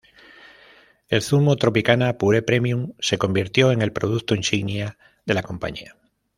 El zumo, "Tropicana Pure Premium", se convirtió en el producto insignia de la compañía.